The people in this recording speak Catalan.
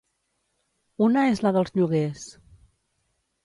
Una és la dels lloguers.